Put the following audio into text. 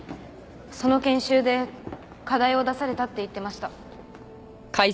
その研修で課題を出されたって言ってました。